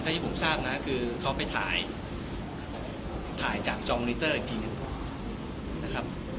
ที่ผมทราบนะคือเขาไปถ่ายถ่ายจากจองนิเตอร์อีกทีหนึ่งนะครับ